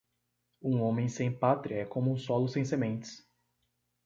Um homem sem pátria é como um solo sem sementes.